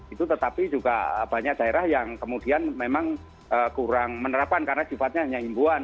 itu tetapi juga banyak daerah yang kemudian memang kurang menerapkan karena sifatnya hanya imbuan